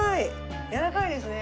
やわらかいですね。